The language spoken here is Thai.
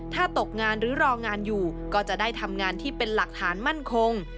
ถ้าตกงานหรือรองานอยู่ก็จะได้ทำงานที่เป็นหลักฐานมั่นคง